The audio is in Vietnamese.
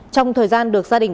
trong thời gian được gia đình